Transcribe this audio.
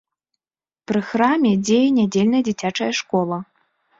Пры храме дзее нядзельная дзіцячая школа.